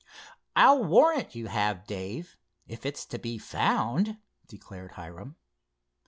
"I'll warrant you have, Dave, if it's to be found," declared Hiram.